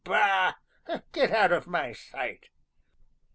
Bah! Get out of my sight!"